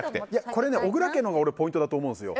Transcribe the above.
これね、小倉家のがポイントだと思うんですよ。